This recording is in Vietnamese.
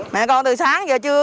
mẹ con từ sáng giờ chưa